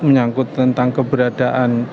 menyangkut tentang keberadaan